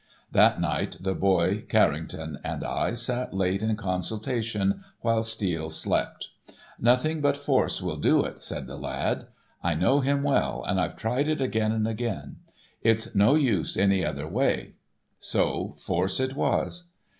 That night the boy Carrington and I sat late in consultation while Steele slept. "Nothing but force will do it," said the lad. "I know him well, and I've tried it again and again. It's no use any other way." So force it was.